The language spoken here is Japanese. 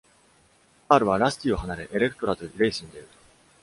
パールはラスティを離れ、エレクトラとレースに出る。